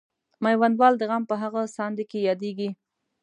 میوندوال د غم په هغه ساندې کې یادیږي.